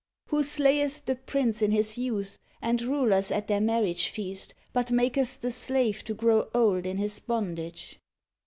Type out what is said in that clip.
Who slayeth the prince in his youth, and rulers at their marriage feast, but maketh the slave to grow old in his bondage; 7.